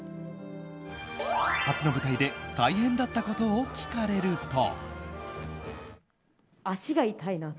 初の舞台で大変だったことを聞かれると。